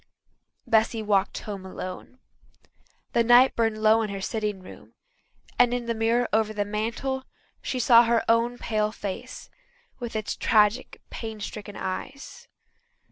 Bessy walked home alone. The light burned low in her sitting room, and in the mirror over the mantel she saw her own pale face, with its tragic, pain stricken eyes.